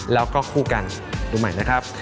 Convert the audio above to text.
แล้วก็คู่กันดูใหม่นะครับ